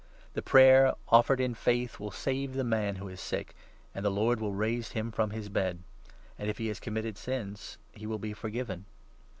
The 15 prayer offered in faith will save the man who is sick, and the Lord will raise him from his bed ; and if he has committed sins, he will be forgiven.